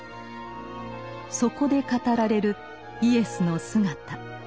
そこで語られるイエスの姿。